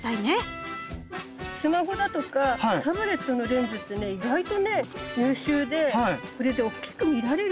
スマホだとかタブレットのレンズってね意外とね優秀でこれでおっきく見られるんですよ。